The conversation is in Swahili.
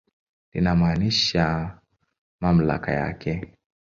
Linamaanisha mamlaka yake.